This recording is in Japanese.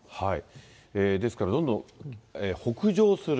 ですから、どんどん北上する。